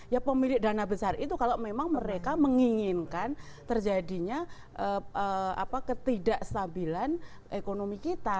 ya pemilik dana besar itu kalau memang mereka menginginkan terjadinya ketidakstabilan ekonomi kita